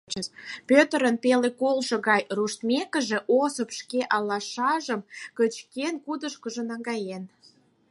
Пӧтырын пеле колышо гай руштмекыже, Осып, шке алашажым кычкен, кудышкыжо наҥгаен.